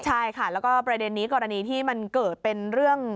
ใช่ค่ะแล้วก็ประเด็นนี้กรณีที่มันเกิดเป็นเรื่อง